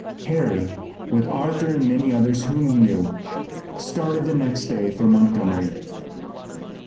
Harry, with Arthur and many others whom he knew, started the next day for Montgomery.